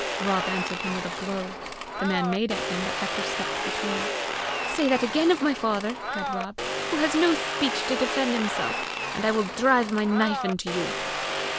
Rob answered him with a blow. The man made at him, but Hector stepped between. "Say that again of my father," cried Rob, "who has no speech to defend himself, and I will drive my knife into you."